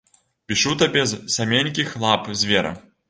Пішу табе з саменькіх лап звера.